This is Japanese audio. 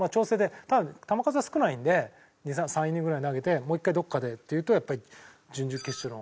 ただ球数は少ないので３イニングぐらい投げてもう一回どこかでっていうとやっぱり準々決勝の。